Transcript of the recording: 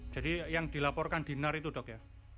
jadi yang dilaporkan di nar itu dok ya